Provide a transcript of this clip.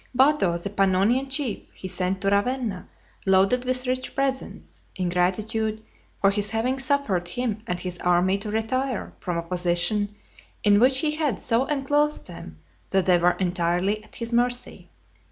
Bato, the Pannonian chief, he sent to Ravenna, loaded with rich presents, in gratitude for his having suffered him and his army to retire from a position in which he had so enclosed them, that they were entirely at his mercy.